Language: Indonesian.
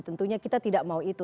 tentunya kita tidak mau itu